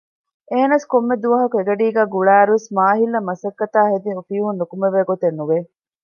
އެހެނަސް ކޮންމެ ދުވަހަކު އެގަޑީގައި ގުޅާއިރުވެސް މާޙިލަށް މަސައްކަތާއި ހެދި އޮފީހުން ނިކުމެވޭގޮތެއް ނުވެ